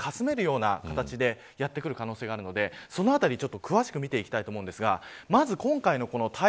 関東をかなりかすめるような形でやって来る可能性があるのでそのあたり詳しく見ていきたいと思います。